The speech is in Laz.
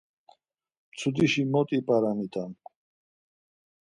Mtsudişi mot ip̌aramitam.